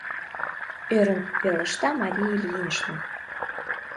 — ӧрын пелешта Мария Ильинична.